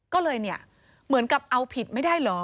ก็เลยเนี่ยเหมือนกับเอาผิดไม่ได้เหรอ